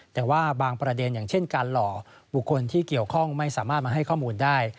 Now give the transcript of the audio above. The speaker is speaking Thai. แต่ว่าบางประเด็นอย่างเช่นการหล่อบุคคลที่เกี่ยวข้องไม่สามารถมาให้ข้อมูลได้